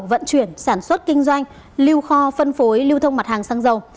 vận chuyển sản xuất kinh doanh lưu kho phân phối lưu thông mặt hàng xăng dầu